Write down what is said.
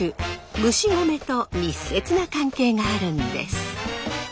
蒸し米と密接な関係があるんです。